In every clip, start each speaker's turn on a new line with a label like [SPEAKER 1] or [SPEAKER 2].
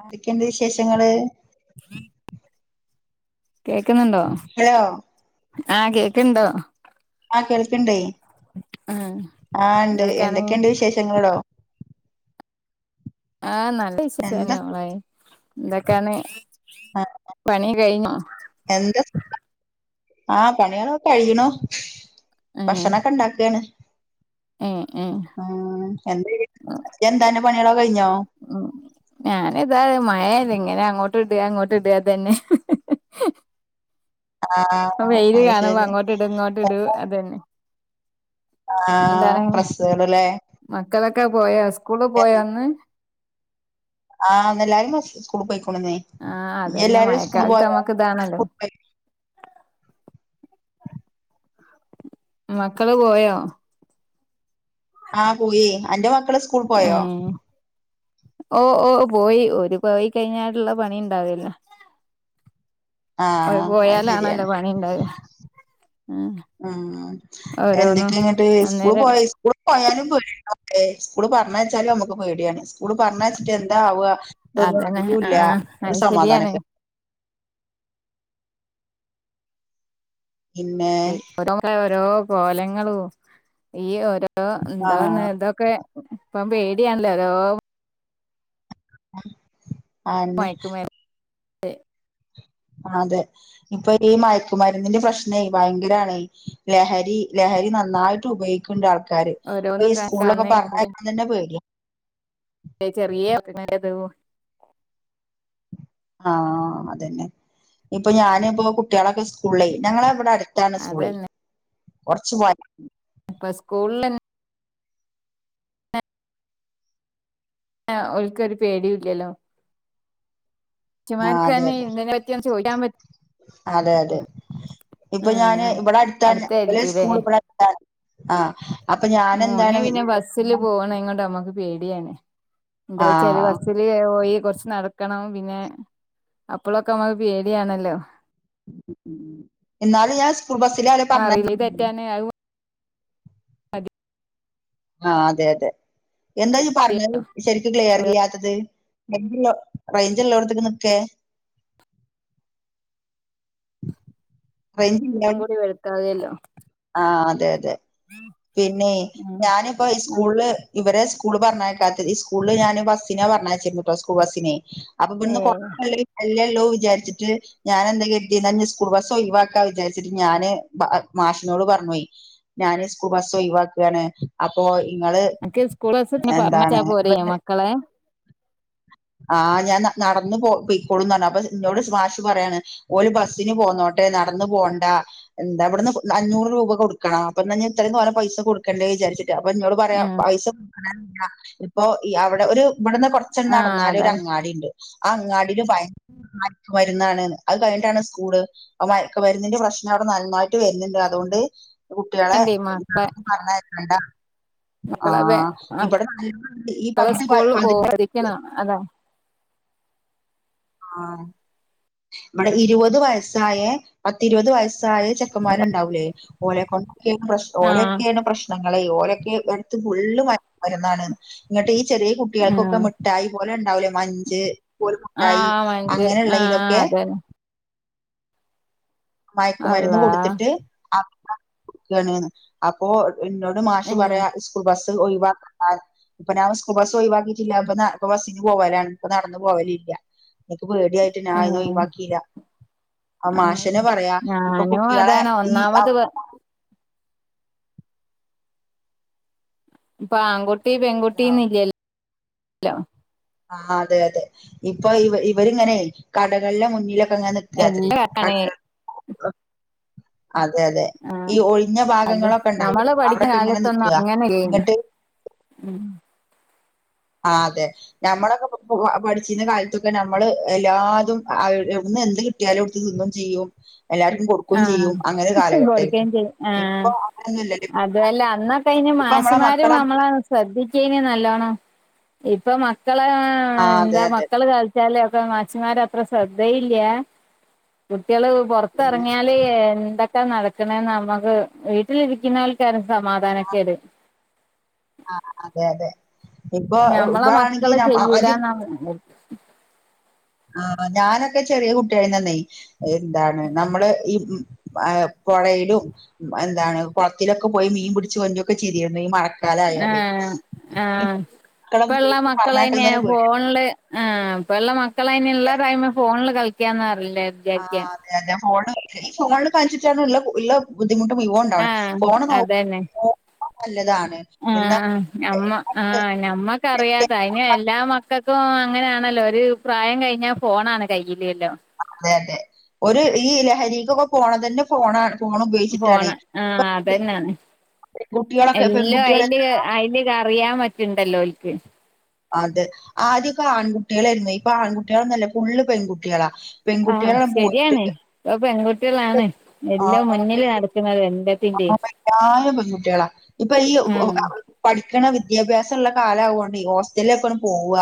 [SPEAKER 1] എന്തൊക്കെ ഉണ്ട് വിശേഷങ്ങള്
[SPEAKER 2] കേക്കുണ് ണ്ടോ
[SPEAKER 1] ഹലോ
[SPEAKER 2] ആഹ് കേക്കണ്ട്
[SPEAKER 1] ആഹ കേൾക്ക്ണ്ടേ
[SPEAKER 2] ആഹ്
[SPEAKER 1] ആഹ ഉണ്ട്
[SPEAKER 2] എന്തൊക്കാണ്
[SPEAKER 1] എന്തൊക്കെയുണ്ട് വിശേഷങ്ങളോടോ
[SPEAKER 2] ആഹ് നല്ല വിശേഷ
[SPEAKER 1] എന്താ
[SPEAKER 2] തന്നെളായി എന്താക്കാണ്
[SPEAKER 1] ആ
[SPEAKER 2] പണി കഴിഞ്ഞോ
[SPEAKER 1] ആഹ പണികളോ കഴിയണോ
[SPEAKER 2] ഏഹ്
[SPEAKER 1] ഭക്ഷണംക്കെ ഉണ്ടാക്കയാണ്
[SPEAKER 2] ഏഹ് ഏഹ്
[SPEAKER 1] ആ ചന്ത എന്ത [unintelligible]
[SPEAKER 2] ഉം ഞാന് ഏതായാലും മഴല്ല അങ്ങനെ അങ്ങോട്ട ഇട അങ്ങോട്ട് ഇടുക ഇതതന്നെ
[SPEAKER 1] ആ
[SPEAKER 2] വെയില്
[SPEAKER 1] അത്
[SPEAKER 2] കാണുമ്പോ
[SPEAKER 1] ശരി
[SPEAKER 2] അങ്ങോട്ട ഇട ഇങ്ങോട്ടിട അത് തന്നെ
[SPEAKER 1] ആ
[SPEAKER 2] എന്താണ്
[SPEAKER 1] ഡ്രസ്സുകളല്ലേ
[SPEAKER 2] മക്കളൊക്കെ പോയ സ്കൂള് പോയ ഇന്ന്
[SPEAKER 1] ആഹ് എല്ലാരും സ്കൂള് പോയിക്കോണുന്നേ
[SPEAKER 2] ആഹ്
[SPEAKER 1] ഇഞ്
[SPEAKER 2] അതന്നെ
[SPEAKER 1] എല്ലാരും സ്കൂള് പോ
[SPEAKER 2] മഴക്കാലത്ത് നമ്മക്ക് ഇതാണല്ലോ മക്കള് പോയോ
[SPEAKER 1] ആ പോയി അന്റെ മക്കള് സ്കൂൾ പോയോ
[SPEAKER 2] ഓ ഓ പോയി ഒരു പോയി കഴിഞ്ഞായിട്ടുള്ള പണി ഉണ്ടാവൂലെ
[SPEAKER 1] ആ
[SPEAKER 2] ഓല്
[SPEAKER 1] അത്
[SPEAKER 2] പോയാലാണല്ലോ
[SPEAKER 1] ശരിയാണ്
[SPEAKER 2] പണി ഉണ്ടാവാ
[SPEAKER 1] ഉം എന്തൊക്കെയ ഇങ്ങിട്ട് സ്കൂൾ
[SPEAKER 2] അന്നേരം
[SPEAKER 1] പോയ സ്കൂൾ പോയാലും പോ ഓ സ്കൂൾ പറഞ്ഞ വെച്ചാലും നമുക്ക് പേടിയാണ് സ്കൂള് പറഞ്ഞ വെച്ചിട്ട് എന്താവവുക ഇതൊന്നും
[SPEAKER 2] അതന്നെ
[SPEAKER 1] അറിയൂല്ല
[SPEAKER 2] ആഹ്
[SPEAKER 1] ഒരു
[SPEAKER 2] അത് ശരിയാണ്
[SPEAKER 1] സമാധാനൊക്കെടാ പിന്നെ
[SPEAKER 2] ഓരോ ഓരോ കോലങ്ങളും ഈ ഓരോ എന്താ
[SPEAKER 1] ആഹ്
[SPEAKER 2] ഇതൊക്കെ ഇപ്പം പേടിയണല്ലോരോ
[SPEAKER 1] ആതന്നെ
[SPEAKER 2] മയക്കുമരുന്ന്
[SPEAKER 1] അതെ ഇപ്പൊ ഈ മയക്കുമരുന്നിന്റെ പ്രശ്നേ ഭയങ്കരാണ് ലഹരി ല നന്നായിട്ട് ഉപയോഗിക്കണ്ട് ആൾക്കാാര് അപ്പ
[SPEAKER 2] ഓരോന്നും
[SPEAKER 1] ഈസ്കൂളിലൊക്കെ
[SPEAKER 2] കാണുന്ന
[SPEAKER 1] പറഞ്ഞയക്കാൻ തന്നെ പേടിയ
[SPEAKER 2] ചെറിയ പിത്
[SPEAKER 1] ആഹ അതന്നെ ഇപ്പൊ ഞാനിപ്പോ കുട്ടികളൊക്കെ സ്കൂളിലെ ഞങ്ങള ഇവിടെ അടുത്താണ് സ്കൂള് കുറച്ച്
[SPEAKER 2] അപ്പൊ സ്കൂളിൽ ആ ഓൽക്കൊരു പേടിയല്ലല്ലോ
[SPEAKER 1] ആഹ അതെ അതെ
[SPEAKER 2] ഇതിനെ പറ്റി ഒന്ന് ചോദിക്കാൻ പറ്റ
[SPEAKER 1] അതെ അതെ ഇപ്പൊ ഞാന്
[SPEAKER 2] ആഹ്
[SPEAKER 1] ഇവിടെ അടുത്താ ഒലെ
[SPEAKER 2] അടുത്തായിരിക്കുംല്ലേ
[SPEAKER 1] സ്കൂൾ ഇവിടെ അടുത്താ ആ
[SPEAKER 2] മോന് പിന്നെ ബസ്സില് പോകണ നോട്‌ ഇങ്ങോട്ട് അമ്മക്ക് പേടിയാണ് എന്താച്ചാല്
[SPEAKER 1] ആഹ്
[SPEAKER 2] ബസ്സില് പോയി കുറ ച്ച് നടക്കണം പിന്നെ അപ്പളൊ ക്കെ മ്മക്ക് പേടിയാണല്ലോ
[SPEAKER 1] എന്നാല ഞാൻ സ്കൂൾ ബസ്സില
[SPEAKER 2] അറിയില്ല
[SPEAKER 1] പറഞ്ഞയക്കാൽ
[SPEAKER 2] അതെ
[SPEAKER 1] ആ അതെ അതെ എന്താ ഇജ്ജ് പറഞ്ഞത് ശരിക്കും ക്ലിയർ ഇല്ലാത്തത് റേഞ്ച്ള്ളോ റേഞ്ച്ള്ളോട്ത്ക്ക് നിക്കെ
[SPEAKER 2] ഇം കൂടി വലുതായല്ലോ [unintelligible]
[SPEAKER 1] ആ അതെ അതെ പിന്നെ
[SPEAKER 2] ഉം
[SPEAKER 1] ഞാനിപ്പോ ഈ സ്കൂള് ഇവരെ സ്കൂള് പറഞ്ഞയക്ക സ്കൂള ഞാന് ബസിനെ പറഞ്ഞച്ചിരുന്നുട്ടോ സ്കൂൾ ബസിനെ അപ്പൊ ഇവിന്ന്
[SPEAKER 2] ഏഹ്
[SPEAKER 1] കുറച്ചല്ലേ ള്ളൂ വിചാരിച്ചിട്ട് ഞാൻ എന്തകരുതിസ്കൂൾ ബസ് ഒഴവാക്കാ വിചാരിച്ചിട്ട് ഞാൻ മാഷ് എന്നോട് പറഞ്ഞഞാൻ സ്കൂൾ ബസ്സ ഒഴിവാക്കുകയാണ് അപ്പോൊ നിങ്ങള്
[SPEAKER 2] എനിക്ക് സ്കൂൾ ബസ് പിന്നെ പറഞ്ഞച്ചാ
[SPEAKER 1] എന്താണ്
[SPEAKER 2] പോരെ മക്കളെ
[SPEAKER 1] ആഹ് ഞാൻ നനടന്ന് നടന്നപൊയ്ക്കോളുംപറഞ്ഞു ഇ ന്നോട് മാഷ് പറയാണ് ഓല് ബസ്സിന്പോന്നോട്ടെ ട്ടെ നടന്നന്ന് പോകേണ്ട എന്താവിടന്ന് അഞ്ഞൂറ് രൂപ കൊടുക്കണം അപ്പ എാ ഇത്രയും തോനെ പൈസ കൊടുക്കേണ്ടേ വിചാരിച്ച അപ്പൊ ോട് പറയാ
[SPEAKER 2] ആഹ്
[SPEAKER 1] പൈസ കൊ ഇപ്പൊ അവിടെ ഒരു ഇവിടുന്ന് കൊറച്ചെണ് നട എന്നാലൊ ഒരു
[SPEAKER 2] അതാണ്
[SPEAKER 1] അങ്ങാടി ഉണ്ട് ആ അങ്ങാടിന് ഭയ മയക്ക മരുന്നാണ് അത് കഴിഞ്ഞട്ടാണ് സ്കൂള് അ മയക്ക മരുന്നിന്റെ പ്രശ്നം അവിടെ നന്നായിട്ട് വരുന്നുണ്ട് അതുക കൊണ്ട് കുട്ടികളെ
[SPEAKER 2] ണ്ടേ
[SPEAKER 1] പറഞ്ഞക്കേണ്ട
[SPEAKER 2] മക്കളേ ആ
[SPEAKER 1] നല്ല ഈ
[SPEAKER 2] മക്കളെ
[SPEAKER 1] പത്ത്
[SPEAKER 2] സ്കൂളില്
[SPEAKER 1] പതിനഞ്ച്
[SPEAKER 2] പോവാരിക്കണം അതാ
[SPEAKER 1] ആഹ ഇവിടെ ഇരുപത് വയസ്സായ പത്തിരുപത് വയസ്സായ ചെക്കന്മാരുണ്ടാവൂലേ ഓലെ കൊണ്ട് പ്ര
[SPEAKER 2] ആഹ്
[SPEAKER 1] ഓലൊക്കെയാണ് പ്രശ്നങ്ങളെ ഓലൊക്കെ എടുത്ത് ഫുള്രുന്നാണ് ഇങ്ങട്ട് ഈ [unintelligible] ചെറിയ കുട്ടികൾക്കൊക്കെ
[SPEAKER 2] ആഹ്
[SPEAKER 1] മിഠായി പോലെ ഉണ്ടാവൂലേ മഞ്ച് പോല മിഠായി
[SPEAKER 2] ആഹ് മഞ്ച് ആഹ്
[SPEAKER 1] അങ്ങനെള്ളതിലൊക്കെ
[SPEAKER 2] അതന്നെ
[SPEAKER 1] മയക്കുമരുന്ന്
[SPEAKER 2] അള്ളാ
[SPEAKER 1] കൊടുത്തിട്ട്ാണ് അപ്പൊ എന്നോട് മാഷു
[SPEAKER 2] ഏഹ്
[SPEAKER 1] പറയാ സ്കൂൾ ബസ് ഒഴവാാ ഇപ്പൊ ഞാൻസ്കൂൾ ബസ് ഒഴവാക്കിട്ടില്ല പ്പൊ ബസ്സിന് പോവലാണ് ഇപ്പ നടന്നന്ന് പോവലില്ല പേടിയായിട്ട് ഞ
[SPEAKER 2] ഏഹ്
[SPEAKER 1] ഒഴവാക്കിയില്ല ആ മാശ് പെ
[SPEAKER 2] ആഹ്
[SPEAKER 1] പറയാ ഇപ്പൊ
[SPEAKER 2] ഞാനും
[SPEAKER 1] കുട്ടികളെ
[SPEAKER 2] അതാണ്
[SPEAKER 1] ഈ
[SPEAKER 2] ഒന്നാമത് ഇപ്പൊ ആൺകുട്ടി
[SPEAKER 1] ആഹ്
[SPEAKER 2] പെൺകുട്ടിയന്ന ഇല്ലല്ലോ
[SPEAKER 1] ആ അതെ അതെ ഇപ്പൊ ഇവ ഇവരിങ്ങനെ കടകളെ മുന്നിലെ അങ്ങ നിക്കാ
[SPEAKER 2] എല്ലാം ആഹ അത്
[SPEAKER 1] ഭാഗങ്ങളൊക്കെ ഉണ്ടാവൂലെ
[SPEAKER 2] ഞമ്മള് പഠിക്കുന്ന
[SPEAKER 1] അവിടൊക്കെ ഇങ്ങനെ
[SPEAKER 2] കാലത്തൊന്നും
[SPEAKER 1] നിക്കാ
[SPEAKER 2] അങ്ങനെ ഇല്ലെനി
[SPEAKER 1] എന്നിട്ട്
[SPEAKER 2] ഉം
[SPEAKER 1] ആ അതെ നഞമ്മളൊക്കെ പഠിച്ചിരുന്ന കാലത്തൊക്കെ നമ്മള് എല്ലാതും എന്ത് കിട്ടിയാലും അവ്ട്ന്ന് തിന്നും ചെയ്യും എല്ലാർക്കും കൊടുക്കും
[SPEAKER 2] ആഹ്
[SPEAKER 1] ചെയ്യും അങ്ങനെ കാലഘട്ട
[SPEAKER 2] കൊടുക്കേം ചെയ്യും ആഹ്
[SPEAKER 1] ഇപ്പൊ അങ്ങനൊന്നുംല്ലല്ലോ
[SPEAKER 2] മാശുമാരും നമ്മള ശ്രദ്ധിക്കേന നല്ലോണം ഇപ്പൊ മക്കളെ
[SPEAKER 1] ആഹ് അതെ
[SPEAKER 2] എന്താ
[SPEAKER 1] അതെ
[SPEAKER 2] മക്കള് വ ഒക്കെ നച്ചിമാർ അത്ര ശ്രദ്ധയില്ല കുട്ടികള് [unintelligible]
[SPEAKER 1] പിന്നെ
[SPEAKER 2] പറങ്ങല് എന്ത [unintelligible] ഇ നടക്കണേന്ന് നമ്മുക്ക് വീട്ടിലിരിക്കുന്നവൾക്കാരും സമാധാനൊക്കെട്
[SPEAKER 1] ആ അതെ അതെ ഇപ്പൊ
[SPEAKER 2] ഞമ്മളെ
[SPEAKER 1] വണെങ്കി
[SPEAKER 2] മക്കള്
[SPEAKER 1] ന ആദ്യം
[SPEAKER 2] ചെയ്യൂലാന്ന്
[SPEAKER 1] ആ ഞാനൊക്കെ ചെറിയ കുട്ടിയായിന്നെയ എന്താണ് നമ്മള് ഈ എന്താണ് കുളത്തിലൊക്കെ പോയി മീൻ പിടിച്ചു കൊണ്ടൊക്കെ ചെയ്തിരുന്നു ഈ മ
[SPEAKER 2] ആഹ് ആഹ്.
[SPEAKER 1] മക്കളെ
[SPEAKER 2] ഇപ്പള്ള മക്കളെ
[SPEAKER 1] പറഞ്ഞയക്കാൻ തന്നെ പേടിയാ
[SPEAKER 2] ഫോണില് ആ ഇപ്പ ഉള്ള മ മക്കള അതിനു ഉള്ള ടൈമിൽ ഫോണിൽ കളിക്കാന്ന അറില്ല വിചാരിക്ക
[SPEAKER 1] ആഹ് അതെ അതെ ഫോണ് ഈ ഫോണ് കാണിച്ചിട്ടാണ് ഉള്ള ഉള്ള ബുദ്ധിമുട്ടും മുഴുവനും ഇവണ്ടാവണ്
[SPEAKER 2] ആഹ്
[SPEAKER 1] ഫോണ് നോ നല്ലതാ
[SPEAKER 2] ആ നമ്മ ആ ഞമ്മക്കറിയാത്ത അതിന് എല്ലാ മക്കൾ ഇപ്പൊ അങ്ങനെയാണല്ലോ ഒരു പ്രായം കഴിഞ്ഞാൽ ഫോണാണ് കയ്യി
[SPEAKER 1] അതെ അതെ ഒരു ഈ ലഹരിക്കൊക്കെ പോണ തന്നെ ഫോണാ ഫോൺ
[SPEAKER 2] ഫോണ
[SPEAKER 1] ഉപയോഗിച്ചിട്ടാണേ
[SPEAKER 2] ആ അതന്നെയാണ്.
[SPEAKER 1] കുട്ടികളൊക്കെ
[SPEAKER 2] എല്ലാം
[SPEAKER 1] പെൺകുട്ടികളെ
[SPEAKER 2] അതില് അതില് അറിയാൻ പറ്റിണ്ടല്ലോ ഓർക്ക്.
[SPEAKER 1] അതെ ആദ്യമൊക്കെ ആൺകുട്ടികളായിരുന്നു ഇപ്പൊ ആൺകുട്ടികളന്നല്ല ഫുള്ള് പെൺകുട്ടികളാ.
[SPEAKER 2] ആഹ്
[SPEAKER 1] പെൺകുട്ടികളാണ് പോയിട്ട്
[SPEAKER 2] ശരിയാണ് ഇപ്പൊ പെൺകുട്ട്യാളാണ്
[SPEAKER 1] [unintelligible]
[SPEAKER 2] എല്ലോം മുന്നില് നടക്ക്ണത് എല്ലത്തിന്റിം
[SPEAKER 1] കുട്ടികളാ ഇപ്പൊ
[SPEAKER 2] ആഹ്
[SPEAKER 1] പഠിക്കണ വിദ്യാഭ്യാസം ഉള്ള കാലാവോണ്ട് ഹോസ്റ്റലില ഒക്കെണ് പോവുക.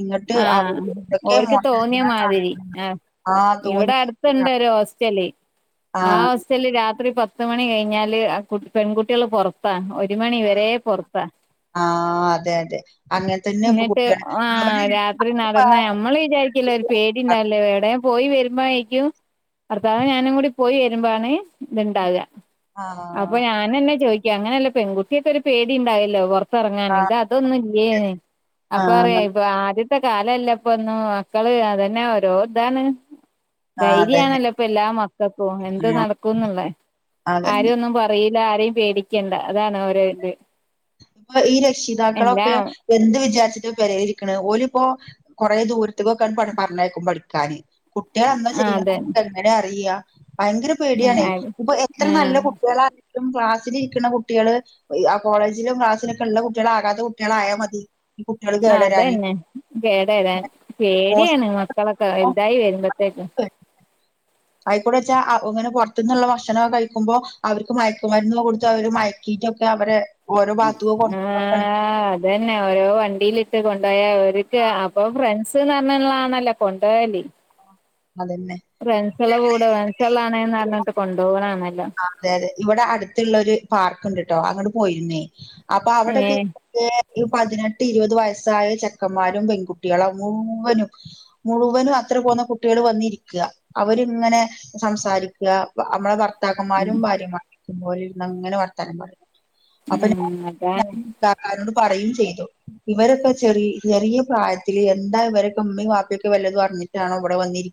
[SPEAKER 1] ഇന്നിട്ട്
[SPEAKER 2] ആഹ്
[SPEAKER 1] അവര് എന്തൊക്കെയോ
[SPEAKER 2] ഓര്ക്ക്
[SPEAKER 1] മോശായിട്ട്
[SPEAKER 2] തോന്നിയ
[SPEAKER 1] ഇങ്ങനെ
[SPEAKER 2] മാതിരി
[SPEAKER 1] കാണിക്ക്ന്ന്ണ്ട്
[SPEAKER 2] ആഹ്
[SPEAKER 1] ആ
[SPEAKER 2] ഇവിടെ
[SPEAKER 1] തോന്നി
[SPEAKER 2] അടുത്തുണ്ട്
[SPEAKER 1] അ
[SPEAKER 2] ഒരു ഹോസ്റ്റല് ആ അവസ്ഥേല് രാത്രി പത്ത് മണി കഴിഞ്ഞാല് ആ പെൺകുട്ടികള് പൊറത്താ. ഒറ്റ് ഒരു മണി വര പൊറത്താ.
[SPEAKER 1] ആഹ് അതെ അതെ അങ്ങനെ തന്നെ ഇപ്പൊ
[SPEAKER 2] എന്നിട്ട്
[SPEAKER 1] കുട്ടികള്
[SPEAKER 2] ആ
[SPEAKER 1] അവര്
[SPEAKER 2] രാത്രി നടന്ന്,
[SPEAKER 1] ആഹ്
[SPEAKER 2] നമ്മള് വിചാരിക്കൂലെ ഒരു പേടി ഉണ്ടാവില്ലേ? ഏടെ? പോയി വരുമ്പായിരിക്കും, ഭർത്താവും ഞാനും കൂടി പോയി വര്മ്പാണ് ഇത് ഇണ്ടാക. അപ്പൊ ഞാനന്നെ ചോദിക്കാ, അങ്ങനെയല്ല പെൺകുട്ട്യേക്കൊരു പേടി ഇണ്ടാവില്ലേ പൊറത് ത്തെറങ്ങാന്.
[SPEAKER 1] ആഹ്
[SPEAKER 2] ഇത് അതൊന്നുല്ല്യേന്ന്. അപ്പൊ പറയ
[SPEAKER 1] ആഹ്
[SPEAKER 2] ഇപ്പൊ ആദ്യ ത്തെ കാലല്ല ഇപ്പൊ ഒന്നു മക്കള് അതന്നെ ഓരോ ഇതാണ്.
[SPEAKER 1] ആഹ് അതന്നെ
[SPEAKER 2] ധൈര്യാണല്ലോ ഇപ്പ എല്ലാ മക്കക്കും എന്ത്
[SPEAKER 1] ആഹ്
[SPEAKER 2] നടക്കുന്നുള്ള
[SPEAKER 1] അതന്നെ
[SPEAKER 2] ആരും ഒന്നും പറയി ല്ലാരെയും പേടിക്കണ്ട അതാണ് ഓരോ ഇത്.
[SPEAKER 1] ഇപ്പൊ ഈ രക്ഷിതാക്കളൊക്കെ
[SPEAKER 2] എല്ലാം
[SPEAKER 1] എന്ത് വിചാരിച്ചിട്ട പെരേല് ക്കണ്. ഓലിപ്പോ കൊറേ ദൂരത്തക്കൊക്കേണ് പറഞ്ഞേക്കും പഠിക്കാന്. കുട്ട്യേള് എന്താ
[SPEAKER 2] ആ
[SPEAKER 1] ചെയ്യാന്ന്
[SPEAKER 2] അതെ
[SPEAKER 1] നമുക്ക് എങ്ങനെയാ അറിയ്യാ ഭയങ്കര പേടിയാണേ.
[SPEAKER 2] ഉം
[SPEAKER 1] ഇപ്പൊ എത്ര നല്ല കുട്ടികളാ ലും ക്ലാസ്സിലിരിക്ക്ണ കുട്ടികള് ആ കോളേജ് ജിലും ക്ലാസിലൊക്കെ ഉള്ള കുട്ടികള് ആകാത കുട്ടികളായാൽ മതി. ഈ കുട്ടികള് കേടരാന്
[SPEAKER 2] അതന്നെ. [unintelligible] പേടിയാണ്
[SPEAKER 1] ഹോസ്റ്റലിലൊക്കെ
[SPEAKER 2] മക്കളൊക്കെ വൽതായി വരുമ്പ ത്തേക്കും
[SPEAKER 1] ആയിക്കൂടെച്ചാ അങ്ങനെ പൊറത്ത്ന്ന്ള്ള ഭക്ഷണം കഴിക്കുമ്പോ അവർക്ക് മയക്കുമരുന്ന് കൊടുത്ത് അവര് മയക്കി ഇതൊക്കെ അവരെ ഓരോ ഭാഗത്തക്ക്
[SPEAKER 2] ആ
[SPEAKER 1] കൊണ്ടു
[SPEAKER 2] അതന്നെ ഓരോ വണ്ടിയിലിട്ട് കൊണ്ട ഏഹ് ഓര്ക്ക് അപ്പൊ ഫ്രണ്ട്സ്ന്ന് പറഞ്ഞള്ളാണല്ലോ കൊണ്ട് പോവല്.
[SPEAKER 1] അതന്നെ
[SPEAKER 2] ഫ്രെണ്ട്സ്കളെ കൂടെ ഫ്രണ്ട്സ്കള് ആണേന്ന് പറഞ്ഞിട്ട് കൊണ്ടുപോണാണ
[SPEAKER 1] അതെ അതെ ഇവിടെ അടുത്തുള്ള ഒരു പാർക്ക്ണ്ട്ട്ടോ അങ്ങട്ട് പോയിരുന്നേ. അപ്പൊ
[SPEAKER 2] ഏ
[SPEAKER 1] അവിടെക്കെ ഈഹ് പതിനെട്ട് ഇരുപത് വയസ്സായ ചെക്കന്മാരും പെൺകുട്ടികളും മുഴുവനും മുഴുവനും അത് ത്ര് പോകുന്ന കുട്ടികൾ വന്നിരിക്ക. അവരിങ്ങനെ സംസാരിക്ക്ക. നമ്മളെ ഭർ ത്താക്കന്മാരും ഭാര്യമാരും പോലിരുന്ന് അങ്ങനെ വർത്താനം പറയാ അപ്പൊ
[SPEAKER 2] ഉം
[SPEAKER 1] ഞാൻ
[SPEAKER 2] അതാണ്
[SPEAKER 1] [unintelligible] നോട്‌ പറയും ചെയ്തു. ഇവരൊക്കെ ചെറി ചെറിയ പ്രായത്തില് എന്താ ഇവരൊക്കെ ഉമ്മയും വാപ്പയൊക്കെ വല്ലതും അറിഞ്ഞിട്ടാണോ ഇവിടെ വന്നിരി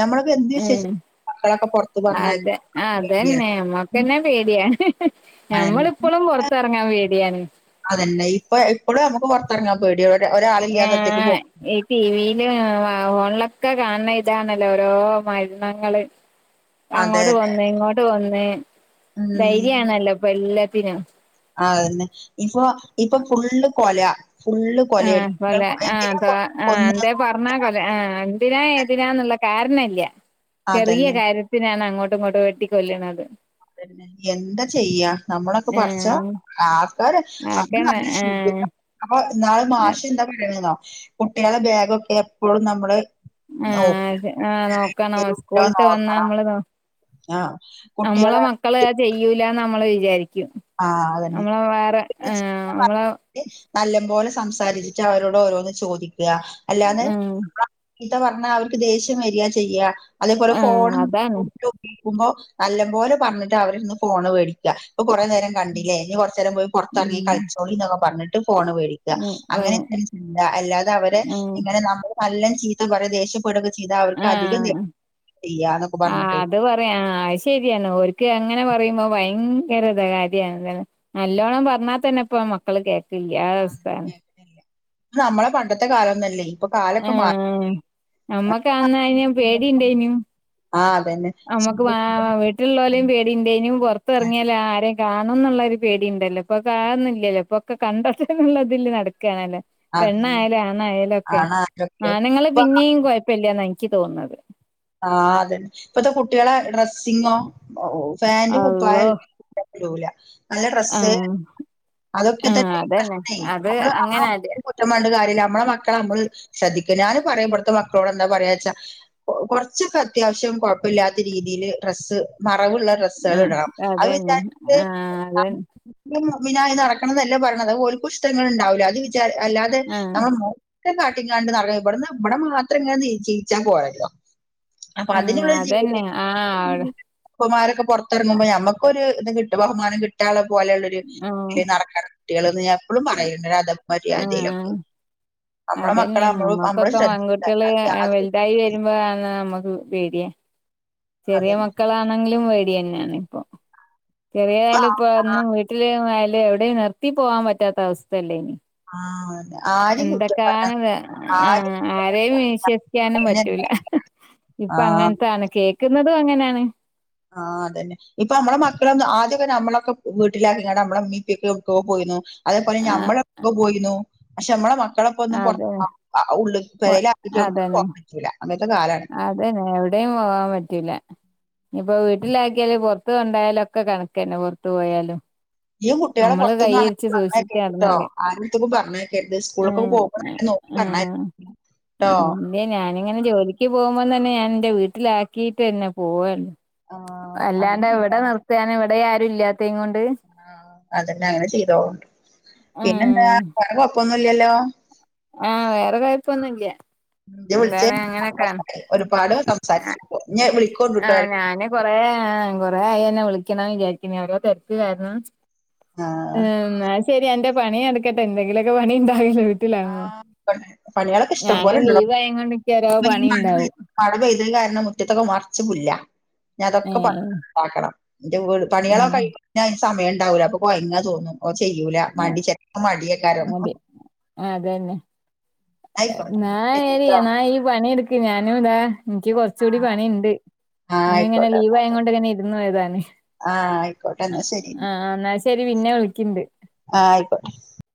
[SPEAKER 1] ഞമ്മളൊക്കെ എന്ത് വിശ്വസിച്ച്
[SPEAKER 2] ഉം
[SPEAKER 1] മക്കളൊക്കെ പൊറത്ത് പറഞ്ഞയക്
[SPEAKER 2] അതെ അതന്നെ നമ്മക്കന്നെ പേടിയാണ്.
[SPEAKER 1] അതെന്നെ
[SPEAKER 2] ഞമ്മളിപ്പൊളും പൊറത്തിറങ്ങാൻ പേടിയാണ്.
[SPEAKER 1] തന്നെ ഇപ്പൊ ഇപ്പളും അമ്മക്ക് പൊറത്തിറങ്ങാൻ പേടിയാ ഒ
[SPEAKER 2] ഏഹ് ടിവിയില് ഓൺല ഒക്കെ കാണണ ഇതാണല്ലോ ഓരോ മരണങ്ങള്
[SPEAKER 1] അതെ
[SPEAKER 2] അങ്ങോട്ട്
[SPEAKER 1] അതെ
[SPEAKER 2] കൊന്ന് ഇങ്ങോട്ട് കൊന്ന്
[SPEAKER 1] ഉം
[SPEAKER 2] ധൈര്യാണല്ലോ ഇപ്പൊ എല്ലത്തിനും
[SPEAKER 1] അതന്നെ ഇപ്പൊ ഇപ്പൊ ഫുള്ള് കൊല ഫുള്ള്
[SPEAKER 2] ഏഹ്
[SPEAKER 1] കൊലയാണ്
[SPEAKER 2] കൊല ഏഹ്
[SPEAKER 1] എന്തിനാ
[SPEAKER 2] പ
[SPEAKER 1] കൊ
[SPEAKER 2] ഏഹ് എന്താ
[SPEAKER 1] കൊന്നേന്നും
[SPEAKER 2] പറഞ്ഞാ
[SPEAKER 1] അറിയില്ല
[SPEAKER 2] കൊല ആഹ് എന്തിനാ ഏതിനാന്നില്ല കാരണല്ല ചെറിയ
[SPEAKER 1] അതന്നെ
[SPEAKER 2] കാര്യത്തിനാണ് അങ്ങോട്ടും ഇങ്ങോട്ടും വെട്ടിക്കൊല്ലണത്
[SPEAKER 1] അതന്നെ എന്ത ചെയ്യാ നമ്മളൊക്കെ പറച്ചാ
[SPEAKER 2] ആഹ്
[SPEAKER 1] ആക്കോര് അമ്മള്
[SPEAKER 2] ആക്കന്നെ
[SPEAKER 1] നല്ല
[SPEAKER 2] ആഹ്
[SPEAKER 1] ശ്രദ്ധിക്ക അപ്പൊ ഇന്നാള് മാഷ് എന്താ പറയണേന്നൊ കുട്ടികളുടെ ബാഗൊക്കെ എപ്പളും നമ്മള് നോക്ക്
[SPEAKER 2] ആഹ് ആഹ് നോക്കണം
[SPEAKER 1] [inaudible]
[SPEAKER 2] സ്കൂളിട്ട് വന്നാ
[SPEAKER 1] നോക്കണ
[SPEAKER 2] നമ്മള് നോ
[SPEAKER 1] ആഹ്
[SPEAKER 2] നമ്മളെ
[SPEAKER 1] കുട്ടികളെ
[SPEAKER 2] മക്കള് ചെയ്യൂല്ലന്ന് നമ്മള് വിചാരിക്കും
[SPEAKER 1] ആഹ് അതന്നെ [inaudible]
[SPEAKER 2] നമ്മളെ വേറെ ഏഹ് നമ്മളെ
[SPEAKER 1] നല്ലംപോലെ ശ് സംസാരിച്ചിട്ട് അവരോട് ഓരോന്ന് ചോദിക്കുക അല്ലാന്ന്
[SPEAKER 2] ഉം
[SPEAKER 1] ചീത്ത പറഞ്ഞാ അവർക്ക് ദേഷ്യം വരിക ചെയ്യാ. അതേപോലെ
[SPEAKER 2] ആഹ്
[SPEAKER 1] ഫോണും
[SPEAKER 2] അതാണ്
[SPEAKER 1] കൊടുത്തോക്കി മ്പോ നല്ല പോലെ പറഞ്ഞിട്ട് അവര്ന്ന് ഫോണ് മേടിക്ക. ഇപ്പൊ കുറേ നേരം കണ്ടില്ലേ ഇനി കുറച്ച്ഏരം പുറതർങ്ങി
[SPEAKER 2] ഉം
[SPEAKER 1] കളിച്ചോളി ന്നൊക്കെ പറഞ് ഫോണ് മേടിക്കാ [unintelligible] അങ്ങനെ
[SPEAKER 2] വേണം
[SPEAKER 1] അല്ലാതെ അവരെ
[SPEAKER 2] ഉം
[SPEAKER 1] ഇങ്ങനെ നമ്മള് നല്ല ചീത്ത പറ [unintelligible] ഇതാ അവർക്ക് അധികം ദേ
[SPEAKER 2] ആ അത് പറയാ അയ് ശരിയാണ് ഓൽക്ക് എങ്ങനെ പറയുമ്പോ ഭയ [unintelligible] നല്ലോണം പറഞ്ഞാ തന്നെ ഇപ്പ മക്കള് കേൾക് വല്യലെസ്തെണ്
[SPEAKER 1] ത് നമ്മളെ പണ്ടത്തെ കാലംന്നല്ലേ
[SPEAKER 2] ആ നമ്മക്കന്നയ്ന് പേടിണ്ടയ്നു
[SPEAKER 1] ആ അതന്നെ
[SPEAKER 2] നമ്മുക്ക് വ വീട്ടിലുള്ളോലിം പേടിന്റെനു പോറത്ത് എറങ്ങിയാ ആ കാണന്നുള്ള ഒരു പേടിണ്ടല്ലോ ഇപ്പൊ കാണുന്നില്ലല്ലോ ഇപ്പൊക്കെ കണ്ടാതന്നെ ന്നുള്ളതില് നടക്കണല്ലോ
[SPEAKER 1] അതന്നെ
[SPEAKER 2] പെണ്ണായാലും ആണായാലും ഒക്കെ
[SPEAKER 1] ആണ് അതൊക്കെ
[SPEAKER 2] ആണ്ങ്ങള്
[SPEAKER 1] ഇപ്പ
[SPEAKER 2] പിന്നെയും കൊഴപ്പല്ല നായി ഇക്ക് തോന്ന്ന്നത്
[SPEAKER 1] ആ അതന്നെ ഇപ്പത്തെ കുട്ടിളെ ഡ്രെസ്സിങ്ങോ പാന്റ്
[SPEAKER 2] അള്ളോ
[SPEAKER 1] കുപ്പായല്ല ല നല്ല ഡ്രസ്സ്
[SPEAKER 2] ആഹ്
[SPEAKER 1] അതൊക്കെ
[SPEAKER 2] ആഹ്
[SPEAKER 1] തന്നെ ഈ
[SPEAKER 2] അതന്നെ
[SPEAKER 1] പ്രേശ്നെ
[SPEAKER 2] അത്
[SPEAKER 1] നമ്മള് ആ
[SPEAKER 2] അങ്ങനെ അത്
[SPEAKER 1] കുറ്റ [unintelligible] ണ്ട് കാര്യ നമ്മളെ മക്കളെ നമ്മള് ശ്രദ്ധിക്കാ ഞാനും പറയും ഇവട്ത്തെ മക്കളോട് എന്താ പറയാച്ചാ കോർച്ചൊക്കെ അത്യവശ്യം കൊയപ്പല്ലാതെ രീതിയില് ഡ്രസ്സ്‌ അളവുള്ള ഡ്രസ്സ്‌ള്ള്
[SPEAKER 2] ആഹ്
[SPEAKER 1] ഇടാം അഹ്
[SPEAKER 2] അതന്നെ
[SPEAKER 1] വിചാരിച്ച്
[SPEAKER 2] ആഹ് അതന്നെ
[SPEAKER 1] [unintelligible] മിനായി നടക്കണം ന്നല്ല പറിണത് ഓൽക്കും ഇഷ്ട്ടങ്ങള് ഉണ്ടാവൂല്ലേ അത് വിചാ അല്ലാതെ
[SPEAKER 2] ആഹ്
[SPEAKER 1] നമ് കാട്ടിങ്ങാണ്ട് നടറ ഇവിട്ന്ന് ഇവിടെ മാത്രം ഇങ്ങനെ നിചീച്ചാ പോയത് അപ്പൊ
[SPEAKER 2] ആഹ്
[SPEAKER 1] അതിനുള്ള
[SPEAKER 2] അതന്നെ
[SPEAKER 1] ജീവിതം
[SPEAKER 2] ആഹ്
[SPEAKER 1] ഉപ്പമാരൊക്കെ പോറത്തറങ്ങുമ്പോ ഞമ്മക്കൊരു കിട്ടും ബഹുമാനം കിട്ടാള്ളെ പോലെയുള്ള ഒരു
[SPEAKER 2] ആഹ്
[SPEAKER 1] ഇതില് നടക്കണം കുട്ടികള് എപ്പളും പറയും [unintelligible]
[SPEAKER 2] ആഹ്
[SPEAKER 1] മര്യാദയിലൊക്കെ നമ്മളെ മക്കളെ
[SPEAKER 2] അതന്നെ
[SPEAKER 1] നമ്മള് നമ്മള്
[SPEAKER 2] നമ്മക്കൊക്കെ
[SPEAKER 1] ശ്രദ്ധിക്കുക
[SPEAKER 2] പെൺകുട്ടികള്
[SPEAKER 1] അത് യാതൊരു
[SPEAKER 2] വലുതായി വരുമ്പോ ആ നമ്മ പേടിയാ ചെറിയ
[SPEAKER 1] അതന്നെ
[SPEAKER 2] മക്കളാണെങ്കിലും പേടിയാന്നെണ് ഇപ്പൊ ചെറിയതായാലും ഇപ്പ ഒന്നും വീട്ട്ല് മഹല്ലില് എവ്ടെ നിർത്തി പോകാൻ പറ്റാത്ത അവസ്ഥയല്ലേ
[SPEAKER 1] ആഹ് ആരെയും കുറ്റം പറ
[SPEAKER 2] എന്തൊക്കാണത് ആ
[SPEAKER 1] ആരെയും
[SPEAKER 2] ആരെയും വിശ്വസിക്കാനും പറ്റൂല
[SPEAKER 1] ആ
[SPEAKER 2] ഇപ്പൊ അങ്ങൻത്താണ് കേക്ന്നതും അങ്ങനെണ്
[SPEAKER 1] ആ അതന്നെ ഇപ്പൊ നമ്മളെ മക്കളോന്നും ആദ്യക്കെ നമ്മളൊക്കെ വീട്ടിലാക്കിണ്ട് നമ്മളെ ഇമ്മീം ഇപ്പിപ്പൊക്കെ എവ്ട്കോ പോയിന്നു അതേപോലെ
[SPEAKER 2] ആ
[SPEAKER 1] നമ്മളും എഡ്കോ പോയിന്നു പക്ഷെ നമ്മളെ മ മക്കളൊപ്പൊ ഒന്നും
[SPEAKER 2] അതെ അതന്നെ
[SPEAKER 1] [unintelligible]
[SPEAKER 2] അതന്നെ എവിടെയും പോവാൻ പറ്റൂല ഇപ്പൊ വീട്ടിലാക്കിയാല് പോറത് കൊണ്ടായാലും ഒക്കെ കണക്കെന്നെ പോറതത്ത് പോയാലും
[SPEAKER 1] ഈ കുട്ടികളെ
[SPEAKER 2] നമ്മള്
[SPEAKER 1] പോറത്തൊന്നും
[SPEAKER 2] കൈയ്യരിച്ച്
[SPEAKER 1] അങ്ങനെ
[SPEAKER 2] സൂക്ഷിച്ച്
[SPEAKER 1] പറഞ്ഞെക്കരുത് ട്ടോ
[SPEAKER 2] നടന്നാല്
[SPEAKER 1] ആരട്ത്ക്കും പറഞ്ഞെകര്ത് സ്കൂൾക്കെക്കേ
[SPEAKER 2] ഉം
[SPEAKER 1] പോകു
[SPEAKER 2] ഉം
[SPEAKER 1] [unintelligible] [unintelligible]
[SPEAKER 2] ഇല്ല ഞാനിങ്ങനെ ജോലിക്ക് പോകുമ്പ തന്നെ ഞാന് ഇന്റെ വീട്ടിലാക്കിട്ട് തന്നെ പോവ
[SPEAKER 1] ആഹ് അങ്ങനെ
[SPEAKER 2] അല്ലാണ്ട് എവിടെ
[SPEAKER 1] ചെയ്തോളാം
[SPEAKER 2] നിർത്താന് ഇവിടെ ആരും ഇല്ലാത്ത കൊണ്ട്
[SPEAKER 1] ആഹ് അതന്നെ അങ്ങനെ ചെയ്തോ പിന്നെ എന്താ വേറെ കൊഴപ്പൊന്നുല്ലല്ലോ
[SPEAKER 2] ആ വേറെ കൊയപ്പൊന്നുല്ല
[SPEAKER 1] ജാ വിൾച്ചേ ഒരുപാട് സംസാരിച്ചു പോ ഇഞ് വിളിക്കോണ്ടുട്ടോ എ
[SPEAKER 2] ഏ കോറേ ആയി അന്നെ വിളിക്കണം വിജാ ഓരോ തെരക്ക് കാരണം
[SPEAKER 1] ആഹ്
[SPEAKER 2] [unintelligible] ശരി അന്റെ പണി നടക്കട്ടെ എന്തെങ്കിലൊക്കെ പണി ഉണ്ടാവില്ലേ
[SPEAKER 1] ആ പണിളൊക്കെ ഇഷ്ടം
[SPEAKER 2] ഞാന്
[SPEAKER 1] പോലെണ്ടടോ
[SPEAKER 2] ലീവായങ്ങോണ്ട് ഇക്ക് ഓരോ പണി
[SPEAKER 1] [unintelligible]
[SPEAKER 2] ഇണ്ടാവും
[SPEAKER 1] മഴ ഇ കാരണം മുറ്റത്തൊക്കെ മറച്ച് പുല്ലാ ഞഅതൊക്കെ പറ
[SPEAKER 2] ഏഹ്
[SPEAKER 1] ണ്ടാക്കണം എന്റെ വീട് പണികളോക്കെ
[SPEAKER 2] ഉം
[SPEAKER 1] കയ്ഞാ തിന് സമയംണ്ടാവൂലാ അപ്പോ കൊയങ്ങ തോന്നും ഓ ചെയ്യൂല മടി ചെലപ്പം മടിയേക്കാരം
[SPEAKER 2] ആ അതന്നെ [unintelligible]
[SPEAKER 1] ശരി ട്ടോ
[SPEAKER 2] പണിയെടുക്ക് ഞാനും താ എനിക്ക് കൊർചൂടി പണിണ്ട്
[SPEAKER 1] ആ
[SPEAKER 2] ഇന്ന്ങ്ങനെ
[SPEAKER 1] ആയിക്കോട്ടെ
[SPEAKER 2] ലീവ്
[SPEAKER 1] എന്നാ
[SPEAKER 2] ആയ
[SPEAKER 1] ശരി.
[SPEAKER 2] കൊണ്ട് ഇങ്ങനെ ഇര്ന്നാ എയ്താന്
[SPEAKER 1] ആ ആയിക്കോട്ടെ
[SPEAKER 2] ആ
[SPEAKER 1] എന്നാ ശരി എന്നാ
[SPEAKER 2] ആഹ എന്നാൽ ശരി പിന്നെ വിളിക്കണ്ട്
[SPEAKER 1] ആ ആയിക്കോട്ടെ